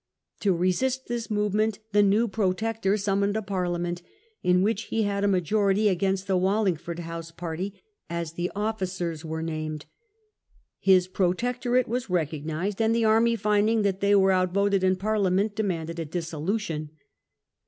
To resist this movement the new Protector summoned a Parliament, in which he had a majority against the " Wallingford House " party, as the officers were named. His Protectorate was recognized, and the army, finding that they were outvoted in Parlia ment, demanded a dissolution.